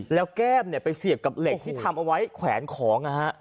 แล้วแก้มไปเสียบกับเหล็กที่ทำเอาไว้แขวนของนะฮะ